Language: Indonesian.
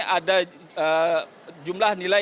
ada jumlah nilai